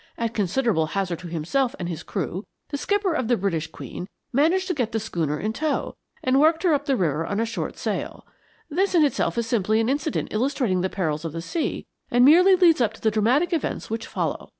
At considerable hazard to himself and his crew the skipper of the British Queen managed to get the schooner in tow, and worked her up the river on a short sail. This in itself is simply an incident illustrating the perils of the sea, and merely leads up to the dramatic events which follow.